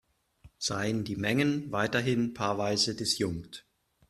Seien die Mengen weiterhin paarweise disjunkt.